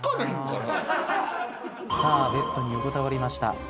さあベッドに横たわりました。